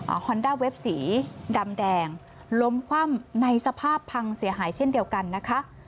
ฮอนด้าเวฟสีดำแดงล้มคว่ำในสภาพพังเสียหายเช่นเดียวกันนะคะ